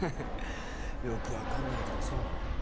よく分かんないけどそうなの？